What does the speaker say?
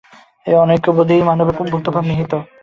এই অনৈক্যবোধেই মানবের মুক্তভাব নিহিত।